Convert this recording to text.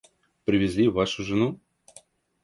Привезли вашу жену?